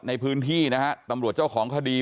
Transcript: ในพื้นที่นะฮะตำรวจเจ้าของคดี